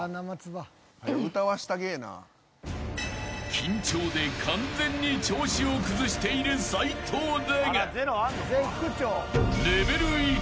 ［緊張で完全に調子を崩している齊藤だが］